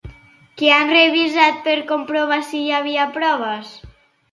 Què han revisat per comprovar si hi havia proves?